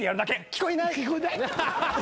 聞こえない。